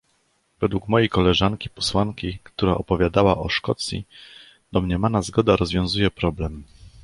Według mojej koleżanki posłanki, która opowiadała o Szkocji, domniemana zgoda rozwiązuje problem